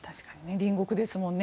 隣国ですもんね。